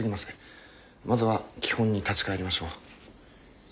まずは基本に立ち返りましょう。